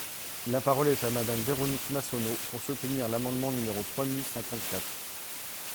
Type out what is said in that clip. La parole est à Madame Véronique Massonneau, pour soutenir l’amendement numéro trois mille cinquante-quatre.